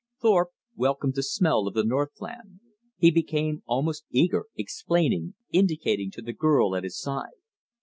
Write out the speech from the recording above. Thorpe welcomed the smell of the northland. He became almost eager, explaining, indicating to the girl at his side.